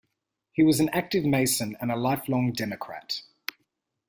He was an active Mason and a life long Democrat.